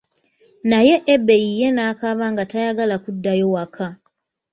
Naye Ebei ye nakaaba nga tayagala kuddayo waka.